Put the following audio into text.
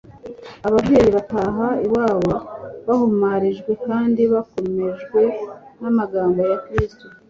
Ababyeyi bataha iwabo bahumurijwe kandi bakomejwe n'amagambo ya Kristo